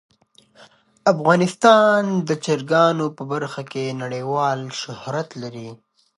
افغانستان د چرګانو په برخه کې نړیوال شهرت لري.